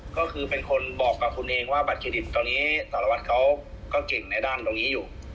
ก็คือเป็นคนบอกกับคุณเองว่าบัตรเครดิตตอนนี้สารวัตรเขาก็เก่งในด้านตรงนี้อยู่